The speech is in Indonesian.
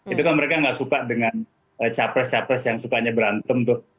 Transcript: itu kan mereka nggak suka dengan capres capres yang sukanya berantem tuh